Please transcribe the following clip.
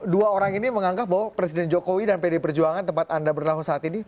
dua orang ini menganggap bahwa presiden jokowi dan pd perjuangan tempat anda berlangsung saat ini